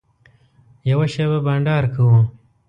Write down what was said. یوه شېبه بنډار کوو.